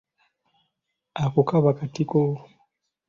Ako kaba katiko.